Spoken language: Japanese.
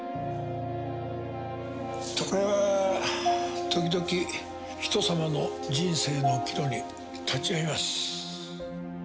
床屋は時々ひとさまの人生の岐路に立ち合います。